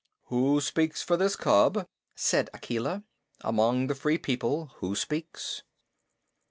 "Who speaks for this cub?" said Akela. "Among the Free People who speaks?"